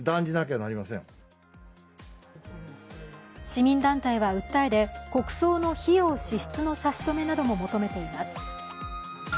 市民団体は訴えで国葬の費用支出の差し止めなども求めています。